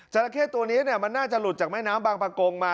จรเข้ตัวนี้เนี่ยมันน่าจะหลุดจากไม้น้ำบางปากงมา